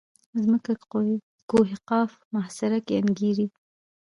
ځمکه کوه قاف محاصره کې انګېري.